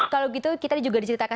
kalau gitu kita juga diceritakan